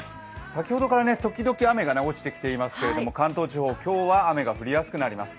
先ほどから時々雨が落ちてきていますけれども関東地方、今日は雨が降りやすくなります。